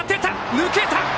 抜けた！